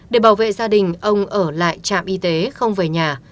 để bảo vệ gia đình ông ở lại trạm y tế không về nhà